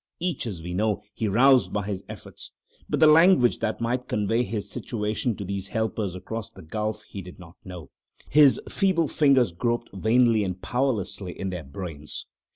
Each, as we know, he roused by his efforts. But the language that might convey his situation to these helpers across the gulf he did not know; his feeble fingers groped vainly and powerlessly in their brains.